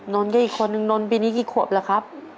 นนท์ก็อีกคนนึงนนปีนี้กี่ขวบแล้วครับ